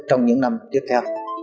trong những năm tiếp theo